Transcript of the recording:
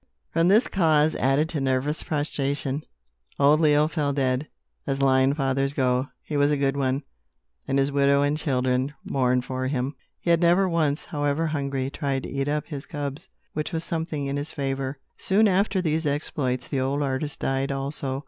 From this cause, added to nervous prostration, old Leo fell dead. As lion fathers go, he was a good one, and his widow and children mourned for him. He had never once, however hungry, tried to eat up his cubs, which was something in his favor. Soon after these exploits, the old artist died also.